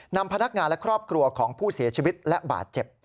พนักงานและครอบครัวของผู้เสียชีวิตและบาดเจ็บ